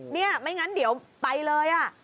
ไม่อย่างนั้นเดี๋ยวไปเลย